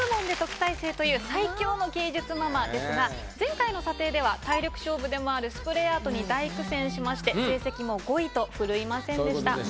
最強の芸術ママですが前回の査定では体力勝負でもあるスプレーアートに大苦戦しまして成績も５位と振るいませんでした。